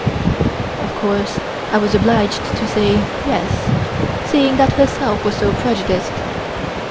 Of course I was obliged to say "yes" seeing that she herself was so prejudiced.